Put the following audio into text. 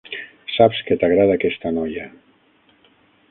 Saps que t'agrada aquesta noia.